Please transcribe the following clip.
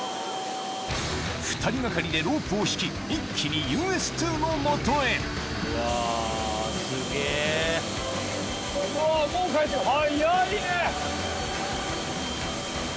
２人がかりでロープを引き一気にＵＳ−２の元へうわもう早いね！